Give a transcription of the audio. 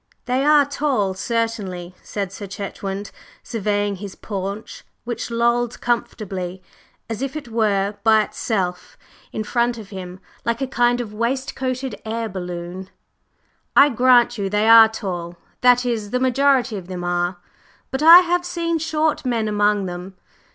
"They are tall, certainly," said Sir Chetwynd, surveying his paunch, which lolled comfortably, and as it were by itself, in front of him, like a kind of waistcoated air balloon. "I grant you they are tall. That is, the majority of them are. But I have seen short men among them.